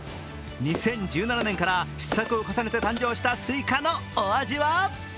２０１７年から試作を重ねて誕生したすいかのお味は？